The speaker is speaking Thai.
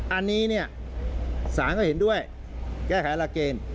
อันนี้เนี่ยศาลก็เห็นด้วยแก้ไขหลักเกณฑ์